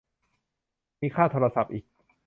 มีค่าโทรศัพท์อีก